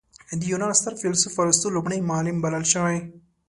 د یونان ستر فیلسوف ارسطو لومړی معلم بلل شوی.